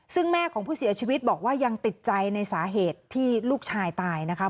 ซึ่งแม่ของผู้เสียชีวิตบอกว่ายังติดใจในสาเหตุที่ลูกชายตายนะคะ